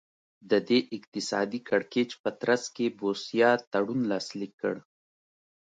د دې اقتصادي کړکېچ په ترڅ کې بوسیا تړون لاسلیک کړ.